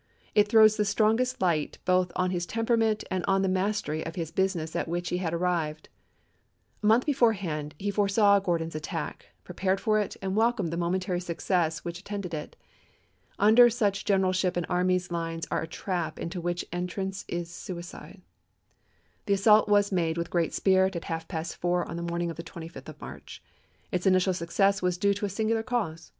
It throws the strongest light both on his temperament and on the mastery of his business at which he had arrived. A month before hand he foresaw Gordon's attack, prepared for it, and welcomed the momentary success which at tended it. Under such generalship an army's lines are a trap into which entrance is suicide. The assault was made with great spirit at half past four on the morning of the 25th of March. Its initial success was due to a singular cause.